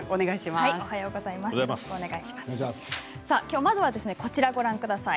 きょうまずはこちらご覧ください。